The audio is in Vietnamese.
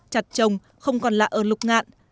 chặt trồng không còn lạ ở lục ngạn